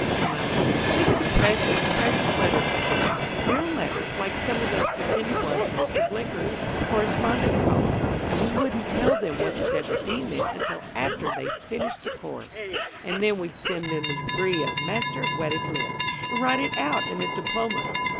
she murmured. "Think of the precious, precious letters we'd get; real letters like some of those pretended ones in Mr. Blicker's correspondence column. And we wouldn't tell them what the 'W. B.' meant until after they'd finished the course, and then we'd send them the degree of 'Master of Wedded Bliss,' and write it out in the diploma."